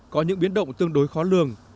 có những biến động tương đối khó lường